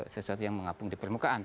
sesuatu yang mengapung di permukaan